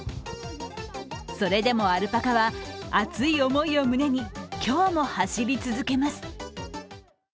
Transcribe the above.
それでもアルパカは、熱い思いを胸に今日も走り続けます。